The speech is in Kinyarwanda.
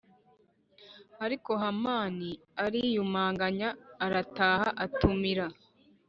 Ariko hamani ariyumanganya arataha atumira